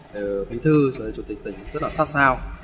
từ bình thư cho đến chủ tịch tỉnh rất là sát sao